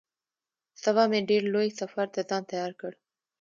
سبا مې ډېر لوی سفر ته ځان تيار کړ.